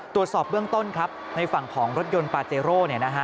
ตรวจสอบเบื้องต้นครับในฝั่งของรถยนต์ปาเจโร่